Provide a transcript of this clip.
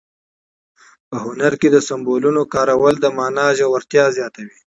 په هنر کې د سمبولونو کارول د مانا ژورتیا زیاتوي.